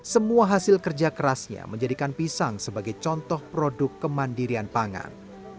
semua hasil kerja kerasnya menjadikan pisang sebagai contoh produk kemandirian pangan